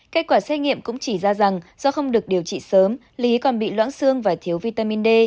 kết quả xét nghiệm cũng chỉ ra rằng do không được điều trị sớm lý còn bị loãng xương và thiếu vitamin d